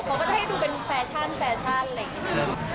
เขาก็จะให้ดูเป็นแฟชั่นแฟชั่นอะไรอย่างนี้